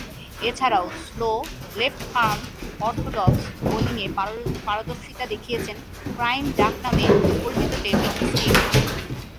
এছাড়াও slow left arm orthodox বোলিংয়ে পারদর্শিতা দেখিয়েছেন 'ক্রাইম' ডাকনামে পরিচিত ডেভিড স্টিল।